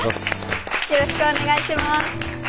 よろしくお願いします。